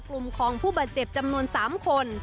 กลุ่มของผู้บาดเจ็บจำนวน๓คน